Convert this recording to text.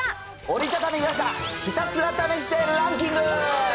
折りたたみ傘ひたすら試してランキング。